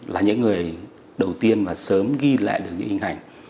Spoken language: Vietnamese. là những người đầu tiên và sớm ghi lại được những hình ảnh